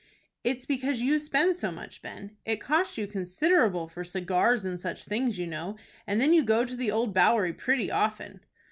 "It's because you spend so much, Ben. It costs you considerable for cigars and such things, you know, and then you go to the Old Bowery pretty often."